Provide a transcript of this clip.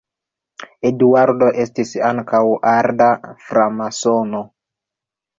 Eduardo estis ankaŭ arda framasono.